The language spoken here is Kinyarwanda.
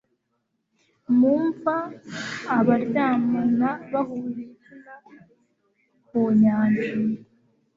mu mva, abaryamana bahuje ibitsina, ku nyanja